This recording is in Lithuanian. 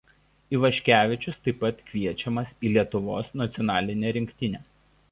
Ivaškevičius taip pat kviečiamas į Lietuvos nacionalinę rinktinę.